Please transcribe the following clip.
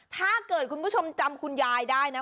ถ้าเกิดคุณผู้ชมจำคุณยายได้นะ